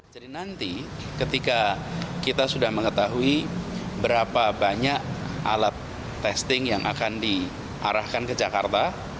jadi nanti ketika kita sudah mengetahui berapa banyak alat testing yang akan diarahkan ke jakarta